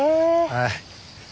はい。